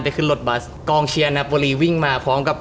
ขึ้นรถบัสกองเชียร์นับบุรีวิ่งมาพร้อมกับ